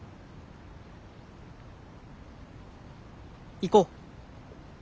行こう！